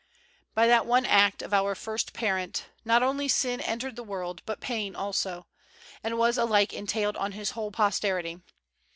By that one act of our first parent, not only '' sin entered the world, '' but pain also, and was alike entailed on his whole posterity.